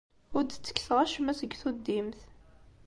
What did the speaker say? Ur d-ttekkseɣ acemma seg tuddimt.